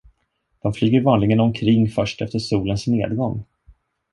De flyger vanligen omkring först efter solens nedgång.